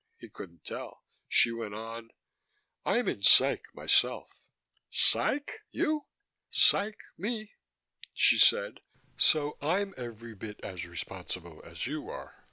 He couldn't tell) she went on: "I'm in Psych, myself." "Psych? You?" "Psych, me," she said. "So I'm every bit as responsible as you are.